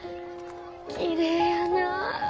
きれいやなあ。